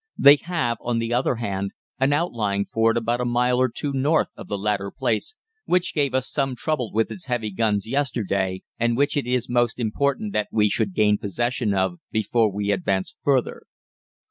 They have, on the other hand, an outlying fort about a mile or two north of the latter place, which gave us some trouble with its heavy guns yesterday, and which it is most important that we should gain possession of before we advance further.